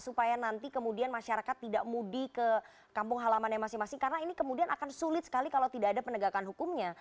supaya nanti kemudian masyarakat tidak mudik ke kampung halaman yang masing masing karena ini kemudian akan sulit sekali kalau tidak ada penegakan hukumnya